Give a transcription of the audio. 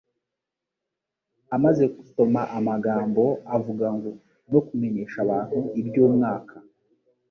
Amaze gusoma amagambo avuga ngo : «No kumenyesha abantu iby'umwaka